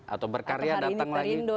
atau berkarya datang lagi